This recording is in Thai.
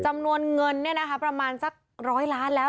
จำนวนเงินเนี้ยนะคะประมาณสักร้อยล้านแล้ว